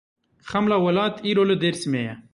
Xemla welat îro li Dêrsimê ye.